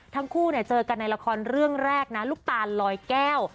ทั้งคู่เจอกันในละครเรื่องแรกนะลูกตาลลอยแก้ว